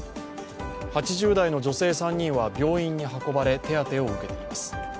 ８０代の女性３人は病院に運ばれ手当てを受けています。